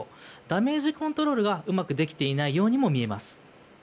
ダメージコントロールがうまくできていないようにも見えます。